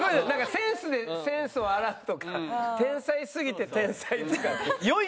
センスでセンスを洗うとか天才すぎて天才とか。